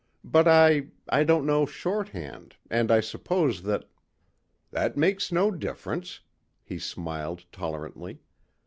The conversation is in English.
But I ... I don't know shorthand and I suppose that...." "That makes no difference," he smiled tolerantly.